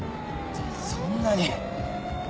そんなに？